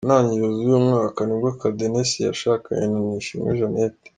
Mu ntangiriro z’uyu mwaka, nibwo Kadenesi yashakanye na Nishimwe Jeannette.